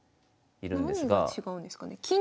何が違うんですかね？